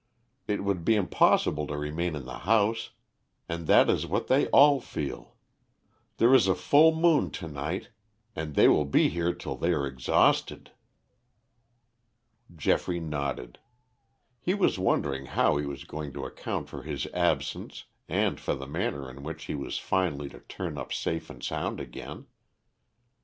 It would be impossible to remain in the house and that is what they all feel. There is a full moon to night, and they will be here till they are exhausted." Geoffrey nodded. He was wondering how he was going to account for his absence and for the manner in which he was finally to turn up safe and sound again.